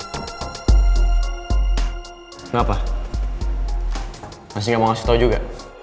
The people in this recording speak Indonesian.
kenapa masih nggak mau ngasih tau juga